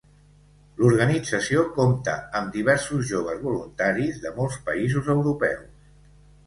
L'organització compta amb diversos joves voluntaris de molts Països europeus.